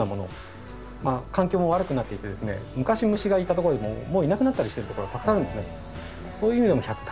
まあ環境も悪くなっていて昔虫がいたとこでももういなくなったりしてるところがたくさんあるんですね。